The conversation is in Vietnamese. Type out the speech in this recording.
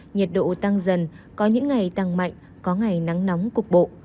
nhiệt độ tăng dần có những ngày tăng mạnh có ngày nắng nóng cục bộ